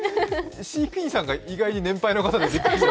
飼育員さんが意外に年配の方で。